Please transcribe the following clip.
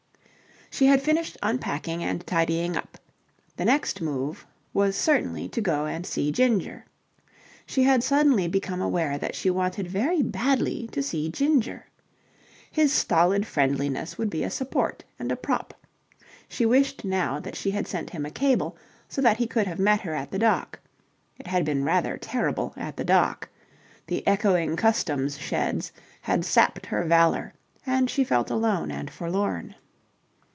She had finished unpacking and tidying up. The next move was certainly to go and see Ginger. She had suddenly become aware that she wanted very badly to see Ginger. His stolid friendliness would be a support and a prop. She wished now that she had sent him a cable, so that he could have met her at the dock. It had been rather terrible at the dock. The echoing customs sheds had sapped her valour and she felt alone and forlorn.